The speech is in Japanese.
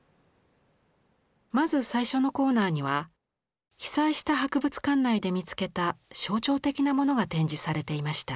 まず最初のコーナーには被災した博物館内で見つけた象徴的なものが展示されていました。